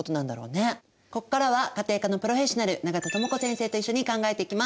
ここからは家庭科のプロフェッショナル永田智子先生と一緒に考えていきます。